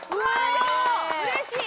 でもうれしい！